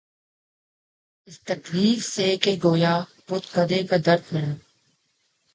اس تکلف سے کہ گویا بت کدے کا در کھلا